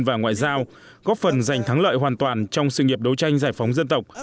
và ngoại giao góp phần giành thắng lợi hoàn toàn trong sự nghiệp đấu tranh giải phóng dân tộc